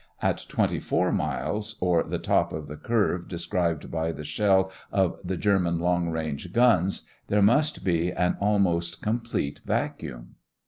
At twenty four miles, or the top of the curve described by the shell of the German long range guns, there must be an almost complete vacuum.